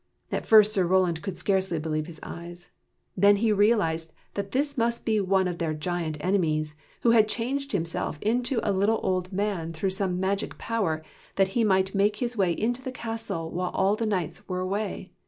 At first Sir Roland could scarcely believe his eyes. Then he realized that this must be one of their giant enemies, who had changed himself to a little old man through some magic power, that he might make his way into the castle while all the knights were away.